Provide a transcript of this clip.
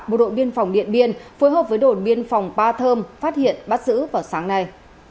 bộ đội biên phòng điện biên phối hợp với đồn biên phòng ba thơm phát hiện bắt giữ vào sáng nay